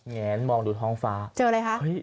แงนมองดูท้องฟ้าเจออะไรคะ